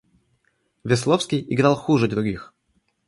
Весловский играл хуже других.